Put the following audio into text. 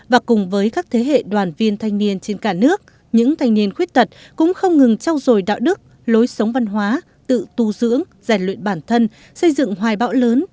và cùng với các thế hệ đoàn viên thanh niên trên cả nước những thanh niên khuyết tật cũng không ngừng trao dồi đạo đức lối sống văn hóa tự tu dưỡng rèn luyện bản thân xây dựng hoài bão lớn